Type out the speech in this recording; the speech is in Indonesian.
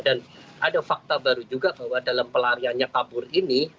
dan ada fakta baru juga bahwa dalam pelariannya kabur ini